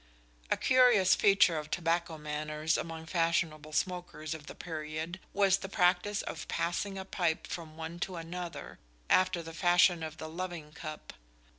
A curious feature of tobacco manners among fashionable smokers of the period was the practice of passing a pipe from one to another, after the fashion of the "loving cup."